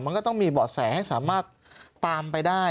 มันก็ต้องมีเบาะแสให้สามารถตามไปได้